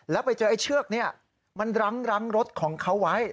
แล้วไปเจอไอ้เชือกนี้มันรั้งรถของเขาไว้